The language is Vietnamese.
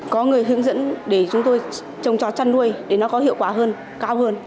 có người hướng dẫn để chúng tôi trồng trò chăn nuôi để nó có hiệu quả hơn cao hơn